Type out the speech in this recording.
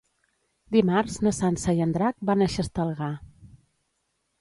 Dimarts na Sança i en Drac van a Xestalgar.